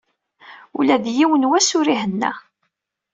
Ula yiwen wass ur ihenna.